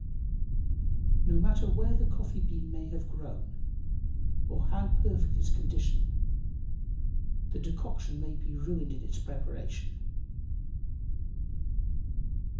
No matter where the coffee bean may have grown or how perfect its condition, the decoction may be ruined in its preparation.